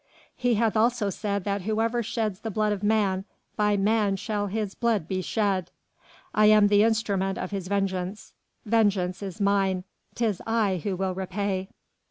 He hath also said that whosoever sheds the blood of man, by man shall his blood be shed! I am the instrument of his vengeance. Vengeance is mine! 'tis I who will repay!"